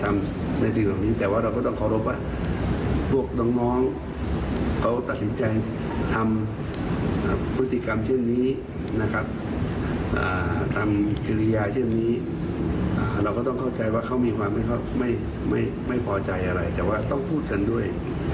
ไม่พอใจอะไรแต่ว่าต้องพูดกันด้วย